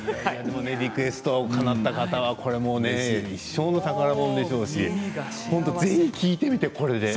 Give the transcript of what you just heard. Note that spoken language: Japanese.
リクエストかなった方はねこれは一生の宝物でしょうしぜひ聞いてみて、これで。